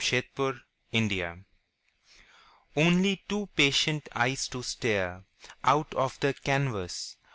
FADED PICTURES Only two patient eyes to stare Out of the canvas.